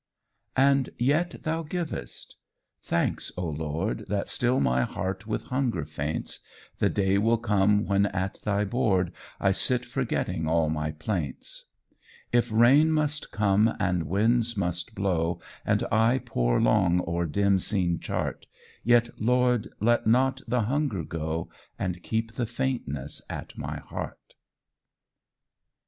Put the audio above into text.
And yet thou givest: thanks, O Lord, That still my heart with hunger faints! The day will come when at thy board I sit forgetting all my plaints. If rain must come and winds must blow, And I pore long o'er dim seen chart, Yet, Lord, let not the hunger go, And keep the faintness at my heart.